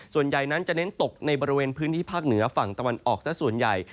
ส่วนใหญ่นั้นจะเน้นตกในบริเวณพื้นที่ภาคเหนือฝั่งตะวันออกซะส่วนใหญ่